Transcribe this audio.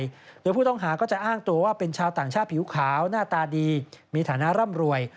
โดยผู้ต้องหาก็จะอ้างตัวว่าเป็นชาวต่างชาติผิวขาวหน้าตาดีมีฐานะร่ำรวย